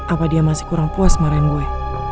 apa dia masih kurang puas marahin gue